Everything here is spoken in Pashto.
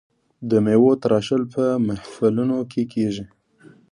د میوو تراشل په محفلونو کې کیږي.